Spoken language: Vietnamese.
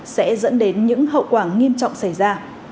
sẽ dẫn đến những hậu quả nghiêm trọng xảy ra